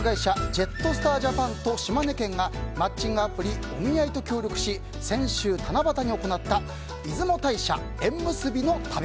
ジェットスター・ジャパンと島根県が、マッチングアプリＯｍｉａｉと協力し先週、七夕に行った出雲大社えんむすびの旅。